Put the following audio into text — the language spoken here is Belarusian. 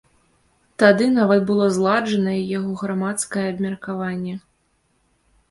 Тады нават было зладжанае яго грамадскае абмеркаванне.